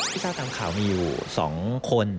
พี่เจ้าตามข่าวมีอยู่สองคน